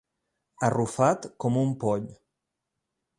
Arrufat com un poll.